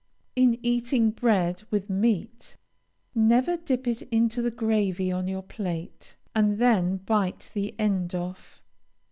In eating bread with meat, never dip it into the gravy on your plate, and then bite the end off.